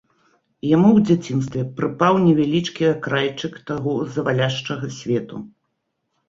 Яму ў дзяцінстве прыпаў невялічкі акрайчык таго заваляшчага свету.